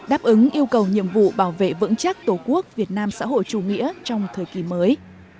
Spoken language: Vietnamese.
đáp ứng yêu cầu nhiệm vụ bảo vệ vững chắc tổ quốc việt nam xã hội chủ nghĩa trong thời kỳ mới